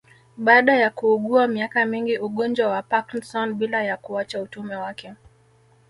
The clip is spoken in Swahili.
Baada ya kuugua miaka mingi Ugonjwa wa Parknson bila ya kuacha utume wake